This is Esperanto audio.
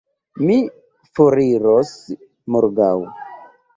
Mi foriros morgaŭ.